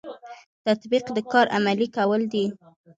تطبیق د کار عملي کول دي